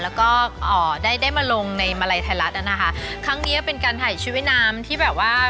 แล้วก็เอ่อได้ได้มาลงในมาลัยไทยรัฐอ่ะนะคะครั้งเนี้ยเป็นการถ่ายชุดว่ายน้ำที่แบบว่า